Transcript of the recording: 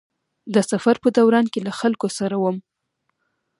د سفر په دوران کې له خلکو سره وم.